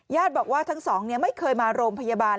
ญาติบอกว่าทั้งสองเนี่ยไม่เคยมาโรงพยาบาล